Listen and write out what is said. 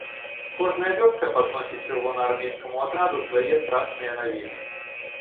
Кожная вёска падносіць чырвонаармейскаму атраду свае страшныя навіны.